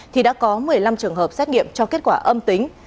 thì đã có một mươi năm trường hợp xét nghiệm cho kết quả âm tính